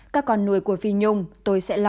các con nuôi của phi nhung không phải là những đứa nhỏ